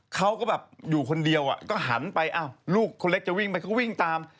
เขาก็แบบอยู่คนเดียวก็หันไปอ้าวลูกคนเล็กจะวิ่งไปเขาก็วิ่งตาม